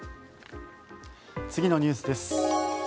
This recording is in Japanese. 次のニュースです。